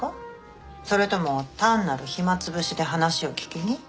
それとも単なる暇つぶしで話を聞きに？